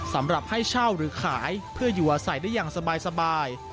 สำหรับให้เช่าหรือขายเพื่ออยู่อาศัยได้อย่างสบาย